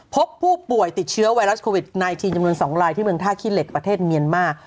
พบผู้ป่วยติดเชื้อไวรัสโควิด๑๙จำนวน๒ลายที่เมืองท่าขี้เหล็กประเทศเมียนมา